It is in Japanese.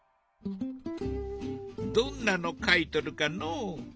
どんなの描いとるかのう。